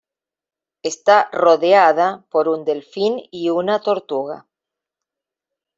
Está rodeada por un delfín y una tortuga.